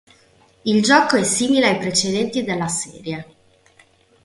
Il gioco è simile ai precedenti della serie.